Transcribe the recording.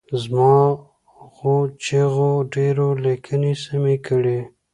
زما غو چیغو ډېرو لیکني سمې کړي.